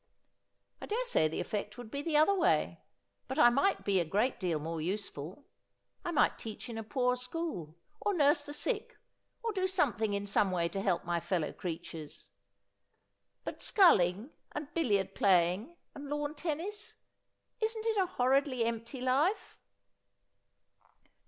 ' I daresay the effect would be the other way ; but I might be a great deal more useful. I might teach in a poor school, or nurse the sick, or do something in some way to help my fellow creatures. But sculling, and billiard playing, and lawn tennis — isn't it a horridly empty life